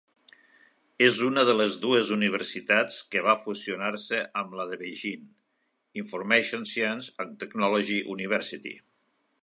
És una de les dues universitats que va fusionar-se amb la Beijing Information Science and Technology University.